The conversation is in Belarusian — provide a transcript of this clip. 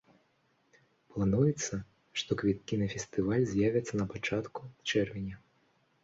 Плануецца, што квіткі на фестываль з'явяцца на пачатку чэрвеня.